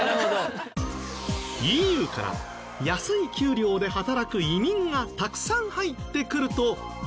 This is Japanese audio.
ＥＵから安い給料で働く移民がたくさん入ってくると。